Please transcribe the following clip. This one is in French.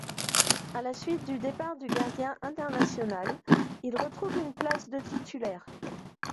À la suite du départ du gardien international, il retrouve une place de titulaire.